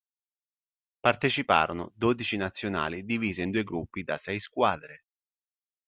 Parteciparono dodici nazionali divise in due gruppi da sei squadre.